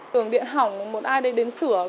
đường điện hỏng một ai đến sửa